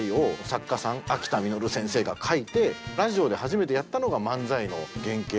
秋田實先生が書いてラジオで初めてやったのが漫才の原型。